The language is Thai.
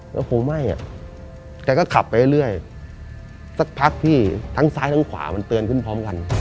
แล้วโหไหม้อ่ะแกก็ขับไปเรื่อยสักพักพี่ทั้งซ้ายทั้งขวามันเตือนขึ้นพร้อมกัน